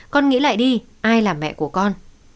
con nghĩ lại đi ai là mẹ của con